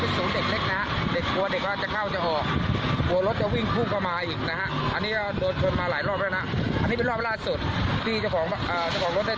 ผู้สืบถังของเราไปสอบถามทางตำรวจนะครับ